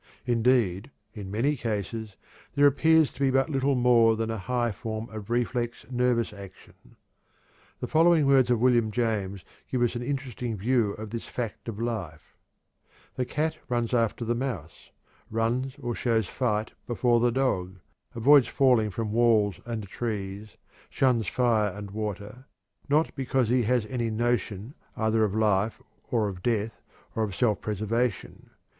Indeed, in many cases, there appears to be but little more than a high form of reflex nervous action. The following words of William James give us an interesting view of this fact of life: "The cat runs after the mouse, runs or shows fight before the dog, avoids falling from walls and trees, shuns fire and water, not because he has any notion either of life or of death or of self preservation.